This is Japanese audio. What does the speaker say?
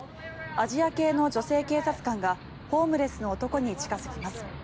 アジア系の女性警察官がホームレスの男に近付きます。